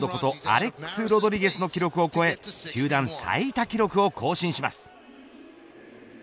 アレックス・ロドリゲスの記録を超え球団最多記録を更新します。